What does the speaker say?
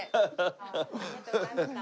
ハハハッ！